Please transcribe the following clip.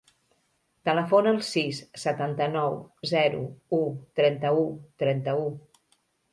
Telefona al sis, setanta-nou, zero, u, trenta-u, trenta-u.